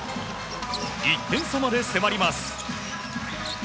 １点差まで迫ります。